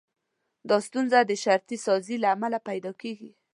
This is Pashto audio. دا ستونزه د شرطي سازي له امله پيدا کېږي.